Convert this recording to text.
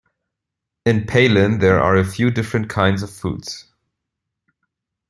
In Pailin, there are a few different kinds of foods.